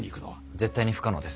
絶対に不可能です。